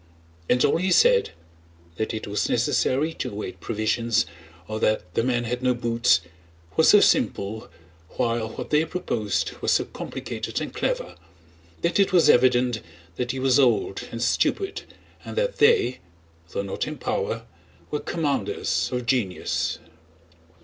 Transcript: And all he said—that it was necessary to await provisions, or that the men had no boots—was so simple, while what they proposed was so complicated and clever, that it was evident that he was old and stupid and that they, though not in power, were commanders of genius.